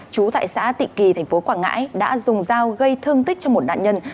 chú tại xã tịnh kỳ tp quảng ngãi đã dùng dao gây thương tích cho một nạn nhân